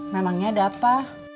namanya ada apa